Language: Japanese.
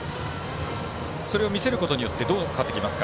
それを見せることによってどう変わってきますか？